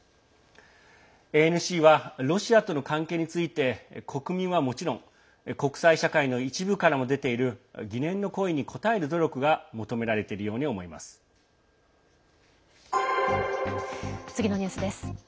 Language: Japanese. ＡＮＣはロシアとの関係について国民はもちろん国際社会の一部からも出ている疑念の声に答える努力が次のニュースです。